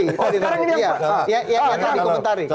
sekarang ini yang penting